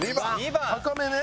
高めね。